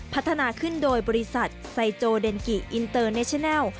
พัฒนาขึ้นโดยบริษัทไซโจเดนกิอินเตอร์เนชินัล